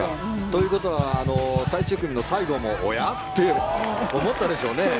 ということは最終組の最後もおや？って思ったでしょうね。